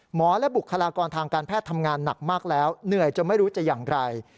และบุคลากรทางการแพทย์ทำงานหนักมากแล้วเหนื่อยจนไม่รู้จะอย่างไร